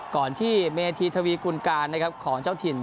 ก่อนที่เมธีทวีกุลกาลของเจ้าถิ่น